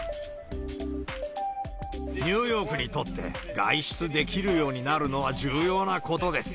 ニューヨークにとって、外出できるようになるのは重要なことです。